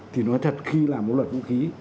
thì nói thật khi làm một luật vũ khí